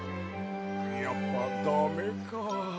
やっぱダメか。